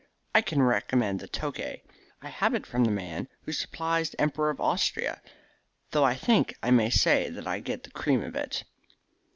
"I can recommend the Tokay. I have it from the man who supplies the Emperor of Austria, though I think I may say that I get the cream of it."